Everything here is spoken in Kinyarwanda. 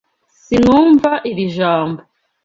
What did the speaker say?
Sinumva iri jambo.